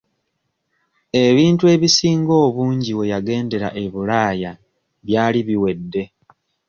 Ebintu ebisinga obungi we yagendera e Bulaaya byali biwedde.